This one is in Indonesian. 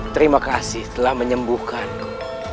terima kasih telah menyembuhkanku